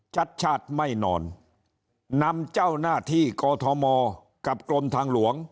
ชัดชาติไม่นอนนำเจ้าหน้าที่กอทมกับกรมทางหลวง